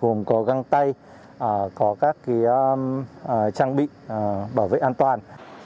gồm có găng tay có các trang bị bảo vệ an toàn